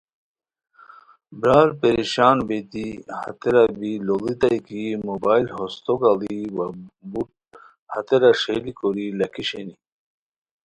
برار پریشان بیتی ہتیرا بی لُوڑیتائے کی موبائل، ہوستو گاڑی وا بوٹ ہتیرا ݰئیلی کوری لکھی شینی